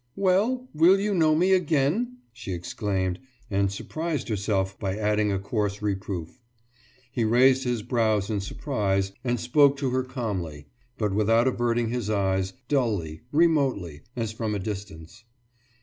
»Well, will you know me again?« she exclaimed, and surprised herself by adding a coarse reproof. He raised his brows in surprise and spoke to her calmly, but without averting his eyes, dully, remotely, as from a great distance.